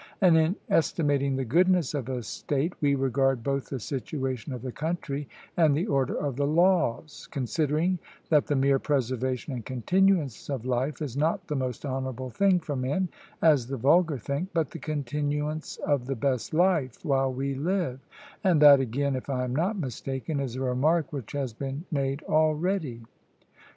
And in estimating the goodness of a state, we regard both the situation of the country and the order of the laws, considering that the mere preservation and continuance of life is not the most honourable thing for men, as the vulgar think, but the continuance of the best life, while we live; and that again, if I am not mistaken, is a remark which has been made already.